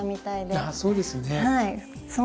あっそうですね。